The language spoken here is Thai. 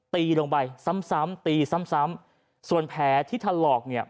ตีลงไปซ้ำตีซ้ำส่วนแผลที่ถลอกเนี่ย